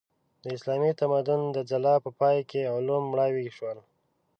د اسلامي تمدن د ځلا په پای کې علوم مړاوي شول.